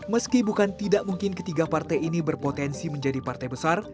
meski bukan tidak mungkin ketiga partai ini berpotensi menjadi partai besar